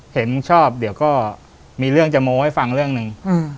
เห็นชอบเดี๋ยวก็มีเรื่องจะโม้ให้ฟังเรื่องหนึ่ง